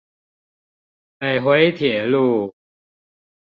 北迴鐵路